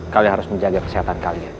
kalian harus menjaga kesehatan kalian